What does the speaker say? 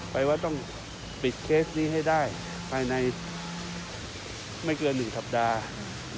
แปลว่าต้องปิดเคสนี้ให้ได้ภายในไม่เกิน๑สัปดาห์